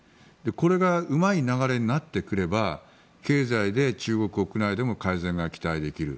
これがうまい流れになってくれば経済で中国国内でも改善が期待できる。